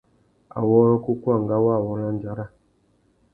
Awôrrô kúkúangâ wa awôrandzara.